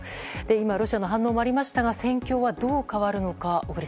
今、ロシアの反応もありましたが戦況はどう変わるのか。